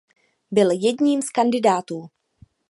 Byl jedním z kandidátů.